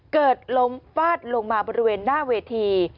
เกิดล้มฟาดลงมาบริเวณหน้าเวที